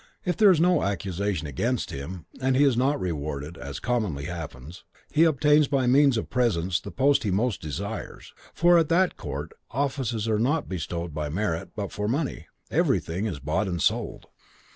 If there is no accusation against him, and he is not rewarded, as commonly happens, he obtains by means of presents the post he most desires; for, at that court, offices are not bestowed by merit, but for money; everything is bought and sold.